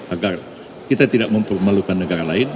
agar kita tidak mempermalukan negara lain